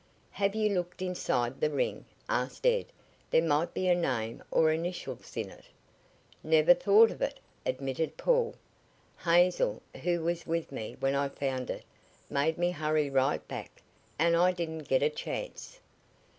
"Have you looked inside the ring?" asked Ed. "There might be a name or initials in it." "Never thought of it," admitted Paul. "Hazel, who was with me when I found it, made me hurry right back, and I didn't get a chance."